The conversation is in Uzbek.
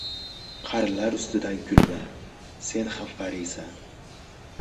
• Qarilar ustidan kulma, sen ham qariysan.